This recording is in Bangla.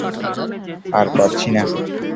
আর পারছি না।